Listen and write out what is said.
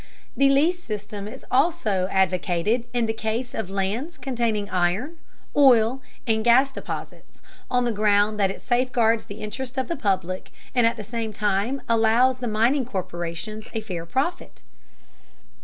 The lease system is also advocated in the case of lands containing iron, oil, and gas deposits, on the grounds that it safeguards the interests of the public and at the same time allows the mining corporations a fair profit.